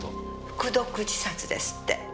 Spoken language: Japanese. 服毒自殺ですって。